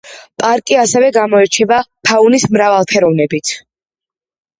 პარკი ასევე გამოირჩევა ფაუნის მრავალფეროვნებით.